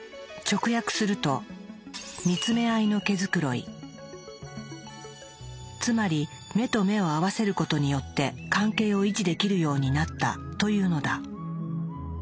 直訳するとつまり目と目を合わせることによって関係を維持できるようになったというのだ。